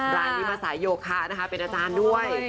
รายนี้มาใส่โยคะเป็นอาจารย์ด้วย